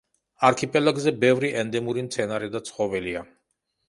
არქიპელაგზე ბევრი ენდემური მცენარე და ცხოველია.